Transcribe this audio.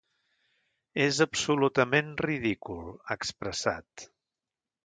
És absolutament ridícul, ha expressat.